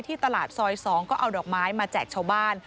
ตลาดซอย๒ก็เอาดอกไม้มาแจกชาวบ้าน